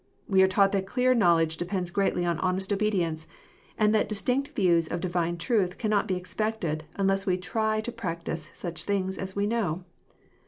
We are taught that clear knowledge depends greatly on honest obedience, and that distinct views of Divine truth cannot be expected, unless we try to practise such things as we know.